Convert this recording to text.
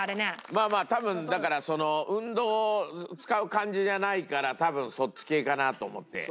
まあまあ多分だから運動使う感じじゃないから多分そっち系かなと思って。